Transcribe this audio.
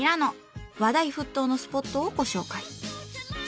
話題沸騰のスポットをご紹介。